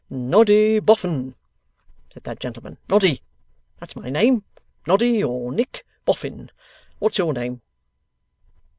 'Noddy Boffin,' said that gentleman. 'Noddy. That's my name. Noddy or Nick Boffin. What's your name?